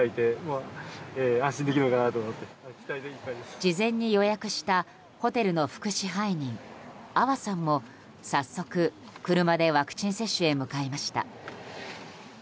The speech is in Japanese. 事前に予約したホテルの副支配人阿波さんも早速、車でワクチン接種へ向かいました。